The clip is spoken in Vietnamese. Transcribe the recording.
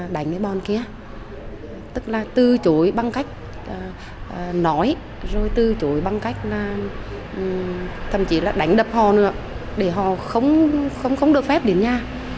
đánh bọn kia tức là từ chối bằng cách nói rồi từ chối bằng cách là thậm chí là đánh đập họ nữa để họ không được phép đến nhà